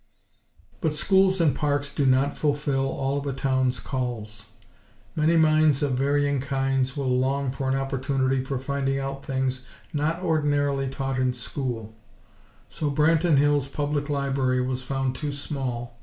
But schools and parks do not fulfill all of a town's calls. Many minds of varying kinds will long for an opportunity for finding out things not ordinarily taught in school. So Branton Hills' Public Library was found too small.